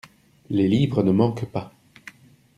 Les livres ne manquent pas.